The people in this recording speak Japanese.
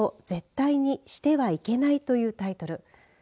絶対にしてはいけないというタイトル